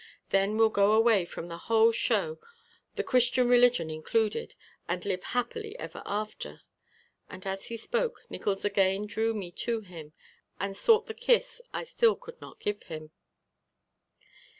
Then we'll go away from the whole show, the Christian religion included, and live happy ever after." And as he spoke Nickols again drew me to him and sought the kiss I still could not give him.